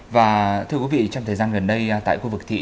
và thưa quý vị trong thời gian gần đây tại khu vực thị